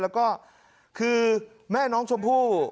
แล้วก็คือแม่น้องชมพู่